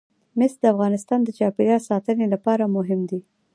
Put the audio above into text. مس د افغانستان د چاپیریال ساتنې لپاره مهم دي.